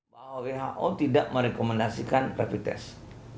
bahwa who tidak merekomendasikan rapid test